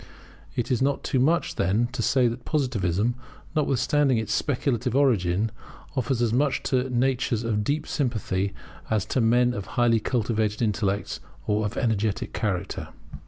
It is not too much, then, to say that Positivism, notwithstanding its speculative origin, offers as much to natures of deep sympathy as to men of highly cultivated intellects, or of energetic character.